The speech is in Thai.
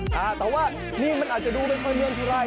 แต่ว่านี่มันอาจจะดูไม่ค่อยเนียนทีไร